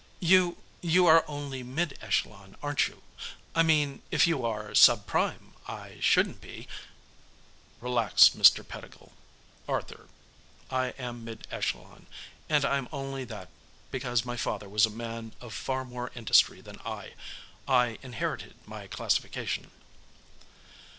"You you are only Mid Echelon, aren't you? I mean, if you are Sub Prime, I shouldn't be " "Relax, Mr. Pettigill 'Arthur' I am Mid Echelon. And I'm only that because my father was a man of far more industry than I; I inherited my classification."